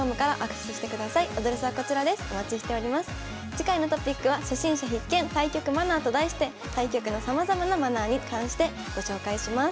次回のトピックは「初心者必見！対局マナー」と題して対局のさまざまなマナーに関してご紹介します。